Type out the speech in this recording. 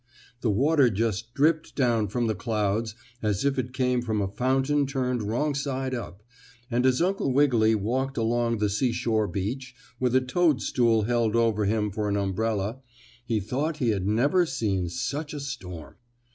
The water just dripped down from the clouds as if it came from a fountain turned wrong side up, and as Uncle Wiggily walked along the seashore beach, with a toadstool held over him for an umbrella he thought he had never seen such a storm.